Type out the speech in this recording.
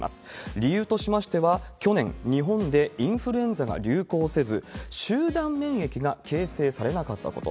理由としましては、去年、日本でインフルエンザが流行せず、集団免疫が形成されなかったこと。